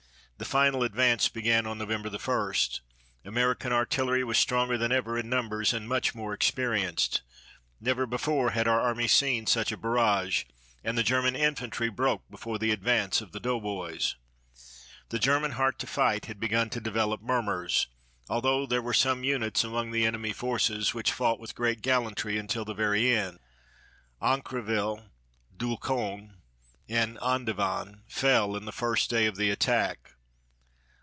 The final advance began on November 1. American artillery was stronger than ever in numbers and much more experienced. Never before had our army seen such a barrage, and the German infantry broke before the advance of the doughboys. The German heart to fight had begun to develop murmurs, although there were some units among the enemy forces which fought with great gallantry until the very end. Aincreville, Doulcon, and Andevanne fell in the first day of the attack.